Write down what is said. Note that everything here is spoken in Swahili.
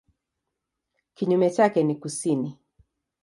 Kinyume chake ni kusini.